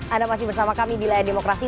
anda masih bersama kami di layar demokrasi